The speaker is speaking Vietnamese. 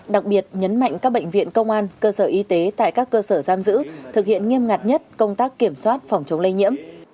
đặc biệt nhấn mạnh các bệnh viện công an cơ sở y tế tại các cơ sở giam giữ thực hiện nghiêm ngặt nhất công tác kiểm soát phòng chống lây nhiễm